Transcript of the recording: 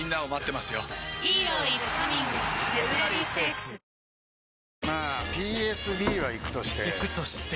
まあＰＳＢはイクとしてイクとして？